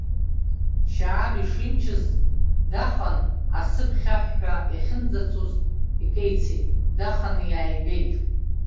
Шьааб ишимчыз дахан, асы ԥхьаҳәҳәа иахьынӡацоз икеицеит, даханы иааигеит.